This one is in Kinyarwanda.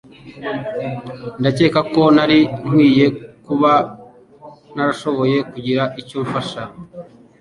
Ndakeka ko nari nkwiye kuba narashoboye kugira icyo mfasha.